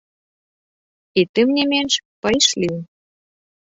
І, тым не менш, пайшлі.